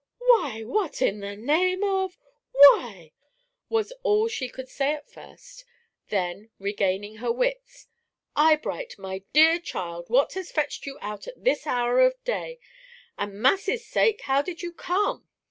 "Why, what in the name of why!" was all she could say at first. Then, regaining her wits, "Eyebright, my dear child, what has fetched you out at this hour of day; and massy's sake, how did you come?"